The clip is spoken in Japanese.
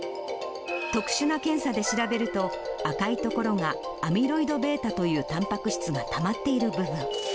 特殊な検査で調べると、赤い所がアミロイドβというたんぱく質がたまっている部分。